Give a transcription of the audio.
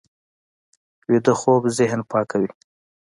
ویده خوب ذهن پاکوي